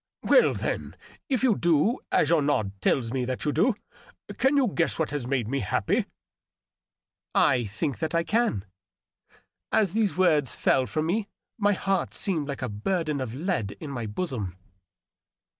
Well, then, if you do, as your nod tells me that you do, can you guess what has made me happy ?"" I think that I can." As these words fell firom me my heart seemed like a burden of lead in my bosom.